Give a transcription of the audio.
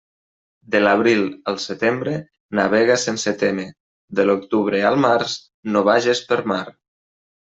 De l'abril al setembre, navega sense témer; de l'octubre al març, no vages per mar.